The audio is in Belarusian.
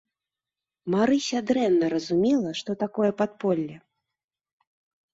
Марыся дрэнна разумела, што такое падполле.